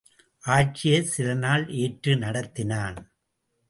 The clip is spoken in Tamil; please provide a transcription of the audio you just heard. ஆட்சியைச் சில நாள் ஏற்று நடத்தினான்.